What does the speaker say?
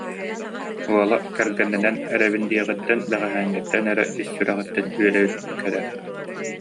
Уола кэргэннэнэн эрэбин диэҕиттэн бэҕэһээҥҥиттэн эрэ ис сүрэҕиттэн үөрэн эрэр